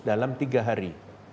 dalam tiga hari